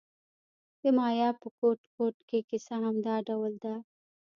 د مایا په ګوټ ګوټ کې کیسه همدا ډول ده.